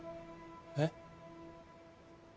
えっ？